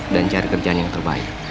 dan cari kerjaan yang terbaik